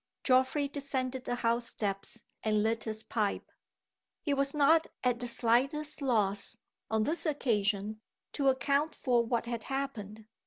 Geoffrey descended the house steps and lit his pipe. He was not at the slightest loss, on this occasion, to account for what had happened.